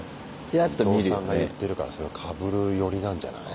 イトウさんが言ってるからそれはかぶる寄りなんじゃない？